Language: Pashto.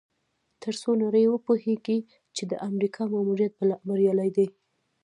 تر څو نړۍ وپوهیږي چې د امریکا ماموریت بریالی دی.